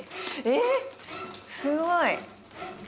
えっすごい。